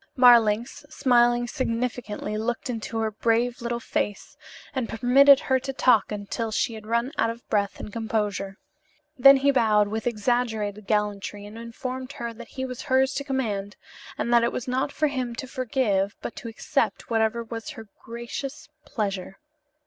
Marlanx, smiling significantly, looked into her brave little face, and permitted her to talk on until she had run out of breath and composure. Then he bowed with exaggerated gallantry and informed her that he was hers to command, and that it was not for him to forgive but to accept whatever was her gracious pleasure.